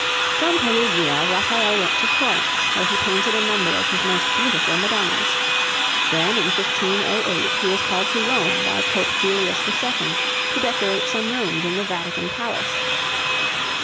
From Perugia Raphael went to Florence, where he painted a number of his most beautiful Madonnas. Then, in 1508, he was called to Rome by Pope Julius II. to decorate some rooms in the Vatican Palace.